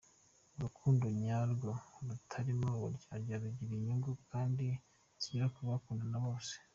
Urukundo nyarwo rutarimo uburyarya rugira inyungu kandi zigera kubakundana bose.